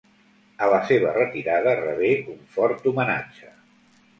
A la seva retirada rebé un fort homenatge.